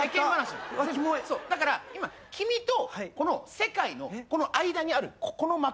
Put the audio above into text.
だから今君とこの世界の間にあるここの膜。